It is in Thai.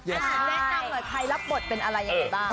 แนะนำใครรับบทเป็นอะไร